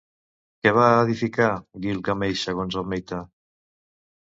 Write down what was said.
Què va edificar Guilgameix segons el mite?